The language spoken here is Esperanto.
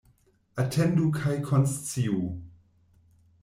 Atendu kaj konsciu.